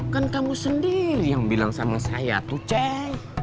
kan kamu sendiri yang bilang sama saya tuh cey